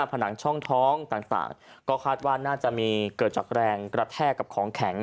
ผนังช่องท้องต่างก็คาดว่าน่าจะมีเกิดจากแรงกระแทกกับของแข็ง